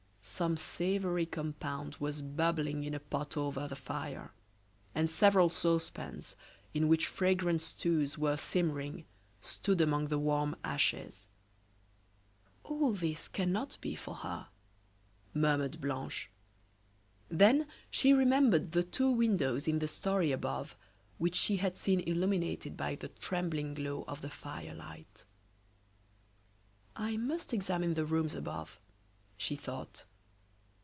Some savory compound was bubbling in a pot over the fire, and several saucepans, in which fragrant stews were simmering, stood among the warm ashes. "All this cannot be for her," murmured Blanche. Then she remembered the two windows in the story above which she had seen illuminated by the trembling glow of the fire light. "I must examine the rooms above," she thought.